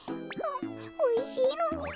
おいしいのに。